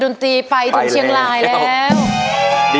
สิบนิ้วผนมและโกมลงคราบ